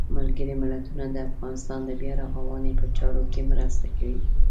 ملګري ملتونه د افغانستان د بیا رغاونې په چارو کې مرسته کوي.